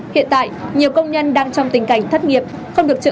hiện tại nhiều công nhân đang trong tình cảnh thất nghiệp không được trợ cấp